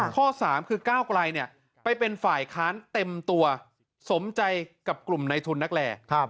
ข้อ๓คือก้าวไกลไปเป็นฝ่ายค้านเต็มตัวสมใจกับกลุ่มในทุนนักแล